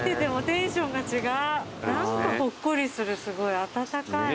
何かほっこりするすごい温かい。